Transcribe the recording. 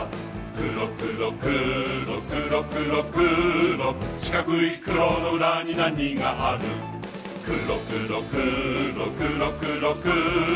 くろくろくろくろくろくろしかくいくろのうらになにがあるくろくろくろくろくろくろ